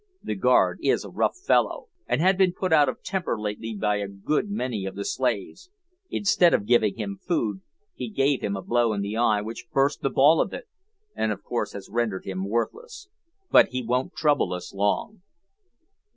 The guard is a rough fellow, and had been put out of temper lately by a good many of the slaves. Instead of giving him food he gave him a blow in the eye which burst the ball of it, and of course has rendered him worthless; but he won't trouble us long."